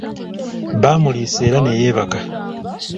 Baamuliisa era ne yeebaka.